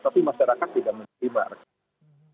tapi masyarakat tidak menerima